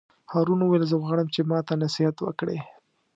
هارون وویل: زه غواړم چې ماته نصیحت وکړې.